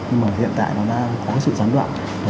nhưng mà hiện tại nó đang có sự gián đoạn